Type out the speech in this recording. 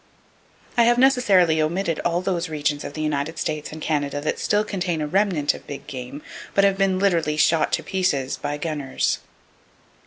I have necessarily omitted all those regions of the United States and Canada that still contain a remnant of big game, but have been literally "shot to pieces" by gunners.